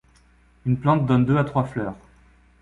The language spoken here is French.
Une plante donne deux à trois fleurs.